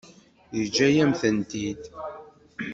Yeǧǧa-yam-tent-id.